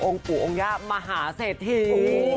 ปู่องค์ย่ามหาเศรษฐี